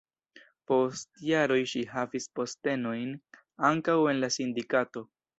Post jaroj ŝi havis postenojn ankaŭ en la sindikato.